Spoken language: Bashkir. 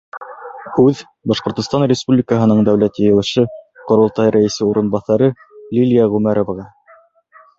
Һүҙ — Башҡортостан Республикаһының Дәүләт Йыйылышы — Ҡоролтай Рәйесе урынбаҫары Лилиә ҒҮМӘРОВАҒА.